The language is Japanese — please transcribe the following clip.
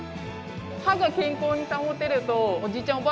歯が健康に保てるとおじいちゃん